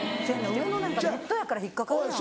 上のなんかニットやから引っかかるやん。